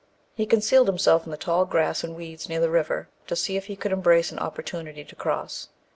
He concealed himself in the tall grass and weeds near the river, to see if he could embrace an opportunity to cross.